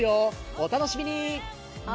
お楽しみに。